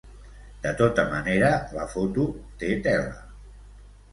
De tota manera, la foto té tela.